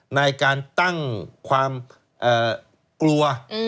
ในการตั้งความกลัว